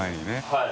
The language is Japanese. はい。